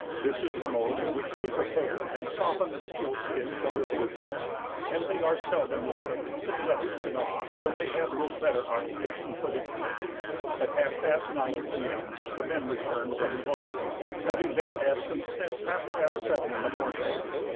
This is the mode in which they prepare and soften the seal skin for their boots, and they are seldom without a piece of leather to gnaw when they have no better occupation for their teeth. At half past nine P.M. the men returned from the boat, having been absent since half past seven in the morning.